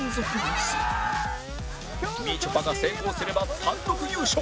みちょぱが成功すれば単独優勝